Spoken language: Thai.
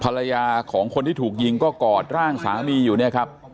ภรรยาของคนที่ถูกยิงก็กอดร่างสามีอยู่เนี่ยครับ